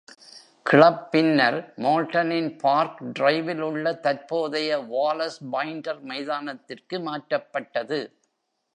Club பின்னர் மால்டனின் park டிரைவில் உள்ள தற்போதைய வாலஸ் பைண்டர் மைதானத்திற்கு மாற்றப்பட்டது.